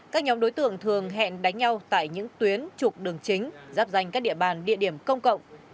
các nhóm đối tượng thường hẹn đánh nhau tại những tuyến trục đường chính giáp danh các địa bàn địa điểm công cộng